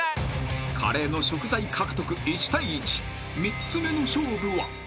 ［カレーの食材獲得１対１］［３つ目の勝負は］